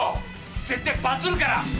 絶対バズるから！